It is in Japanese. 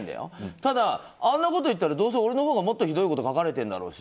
ただ、あんなこと言ったらどうせ俺のほうがもっとひどいこと書かれているんだろうし。